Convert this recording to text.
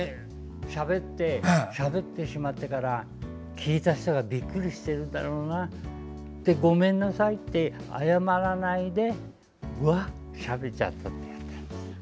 しゃべってしまってから聞いた人がびっくりしているんだろうなってごめんなさいって謝らないであーあ、しゃべっちゃったって。